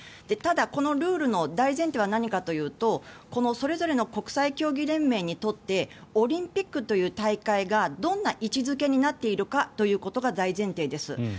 ただ、このルールの大前提は何かというとそれぞれの国際競技連盟にとってオリンピックという大会がどんな位置付けになっているかということが大前提です。